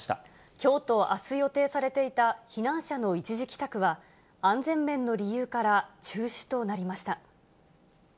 きょうとあす予定されていた避難者の一時帰宅は、安全面の理由から中止となりました。